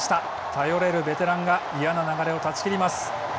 頼れるベテランが嫌な流れを断ち切ります。